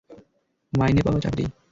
মাইনে পাওয়া চাকরি।